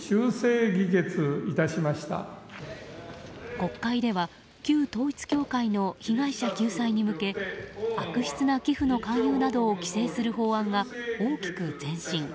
国会では旧統一教会の被害者救済に向け悪質な寄付の勧誘などを規制する法案が大きく前進。